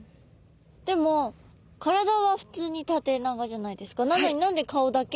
でも体は普通に縦長じゃないですか。